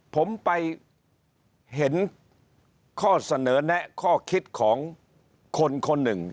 ผมไปเห็นข้อเสนอแนะข้อคิดของคนคนหนึ่ง